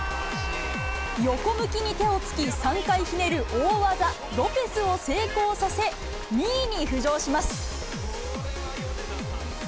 横向きに手をつき、３回ひねる大技、ロペスを成功させ、２位に浮上します。